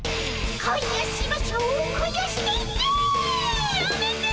「恋をしましょう恋をして」やめて！